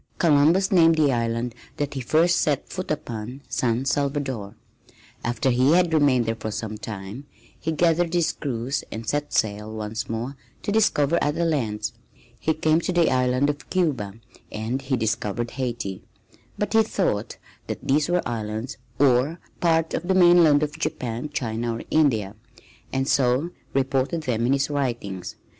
Columbus named the island that he first set foot upon San Salvador. After he had remained there for some time he gathered his crews and set sail once more to discover other lands. He came to the island of Cuba and he discovered Haiti, but he thought that these were islands or part of the mainland of Japan, China or India, and so reported them in his writings.